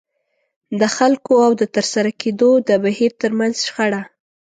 د خلکو او د ترسره کېدو د بهير ترمنځ شخړه.